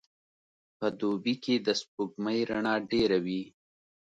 په دوبي کي د سپوږمۍ رڼا ډېره وي.